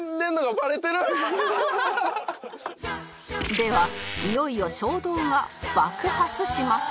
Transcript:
ではいよいよ衝動が爆発します